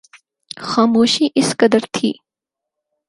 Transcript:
خاموشی اس قدر تھی